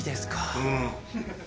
うん。